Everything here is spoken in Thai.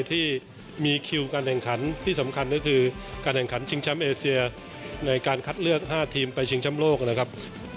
ที่มีคิวการแข่งขันที่สำคัญก็คือการแข่งขันชิงแชมป์เอเซียในการคัดเลือก๕ทีมไปชิงช้ำโลกนะครับ